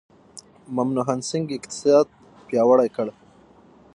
منموهن سینګ اقتصاد پیاوړی کړ.